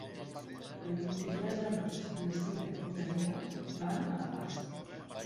El vint-i-tres de maig na Cira i na Lea van a Asp.